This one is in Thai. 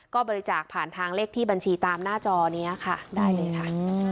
ก็บริจาคผ่านทางเลขที่บัญชีตามหน้าจอนี้ค่ะได้เลยค่ะ